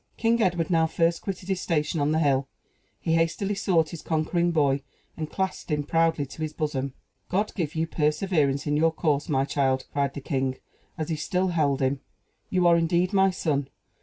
King Edward now first quitted his station on the hill; he hastily sought his conquering boy, and clasped him proudly to his bosom. "God give you perseverance in your course, my child!" cried the king, as he still held him. "You are indeed my son!